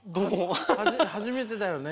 初めてだよね。